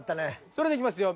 それではいきますよ。